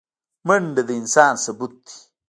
منډه د ځان ثبوت دی